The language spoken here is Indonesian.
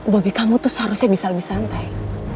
babi kamu tuh seharusnya bisa lebih santai